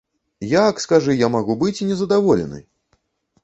Як, скажы, я магу быць не задаволены?